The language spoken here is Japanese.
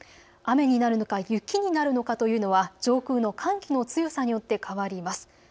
雨になるのか雪になるのかというのは上空の寒気の強さによって変わります。